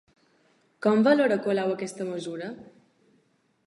Com valora Colau aquesta mesura?